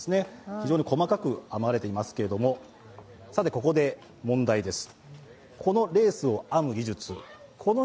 非常に細かく編まれていますけれども、ここで問題です。